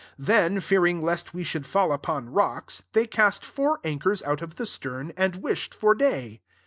29 Then fear ing lest we should fall upon rocks, they cast four anchors out of the stem, and wished for day.